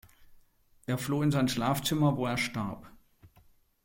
Er floh in sein Schlafzimmer, wo er starb.